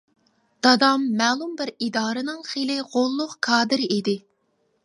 دادام مەلۇم بىر ئىدارىنىڭ خىلى غوللۇق كادىرى ئىدى.